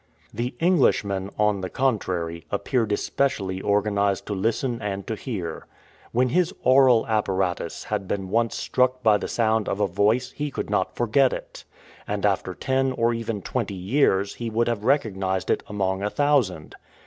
The Englishman, on the contrary, appeared especially organized to listen and to hear. When his aural apparatus had been once struck by the sound of a voice he could not forget it, and after ten or even twenty years he would have recognized it among a thousand.